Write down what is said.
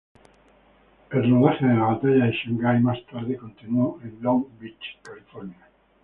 El rodaje de la batalla de Shangai más tarde continuó en Long Beach, California.